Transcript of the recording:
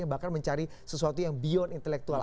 bahkan mencari sesuatu yang beyond intelektual